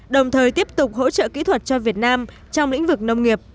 đồng thời tiếp tục hỗ trợ kỹ thuật cho việt nam trong lĩnh vực nông nghiệp